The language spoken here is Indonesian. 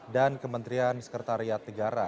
dan kementerian sekretariat negara